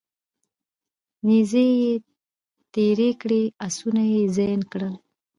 نیزې یې تیرې کړې اسونه یې زین کړل